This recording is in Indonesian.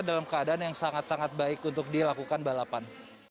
dalam keadaan yang sangat sangat baik untuk dilakukan balapan